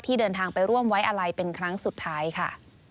เดินทางไปร่วมไว้อะไรเป็นครั้งสุดท้ายค่ะ